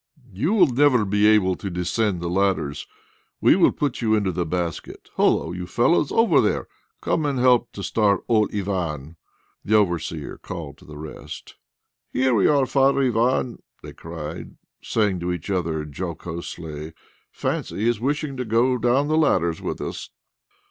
"You will never be able to descend the ladders! We will put you into the basket! Hullo! you fellows over there, come and help to start old Ivan!" the overseer called to the rest. "Here we are, Father Ivan!" they cried, saying to each other jocosely, "Fancy his wishing to go down the ladders with us!"